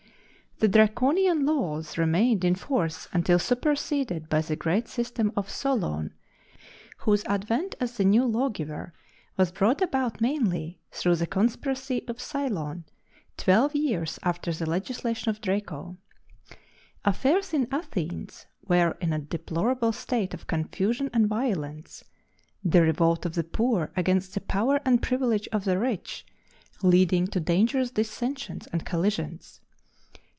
The Draconian laws remained in force until superseded by the great system of Solon, whose advent as the new lawgiver was brought about mainly through the conspiracy of Cylon, twelve years after the legislation of Draco. Affairs in Athens were in a deplorable state of confusion and violence, the revolt of the poor against the power and privilege of the rich leading to dangerous dissensions and collisions.